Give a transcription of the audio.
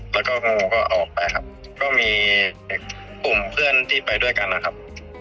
แล้วก็งูก็ออกไปครับก็มีกลุ่มเพื่อนที่ไปด้วยกันนะครับ